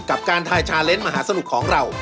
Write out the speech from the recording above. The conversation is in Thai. กับการทายชาเล้นมหาสนุกของเรา